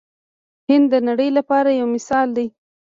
هند د نړۍ لپاره یو مثال دی.